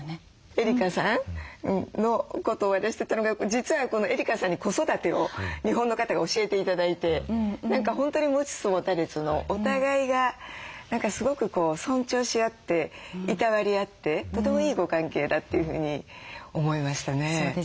エリカさんのことをだったのが実はエリカさんに子育てを日本の方が教えて頂いて何か本当に持ちつ持たれつのお互いが何かすごく尊重し合っていたわり合ってとてもいいご関係だというふうに思いましたね。